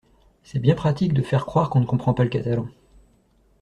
C'est bien pratique de faire croire qu'on ne comprend pas le catalan.